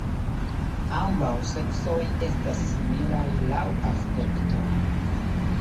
Ambaŭ seksoj estas similaj laŭ aspekto.